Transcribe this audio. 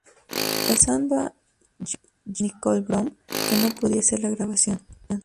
Reemplazando a Yvette Nicole Brown, que no podía hacer la grabación.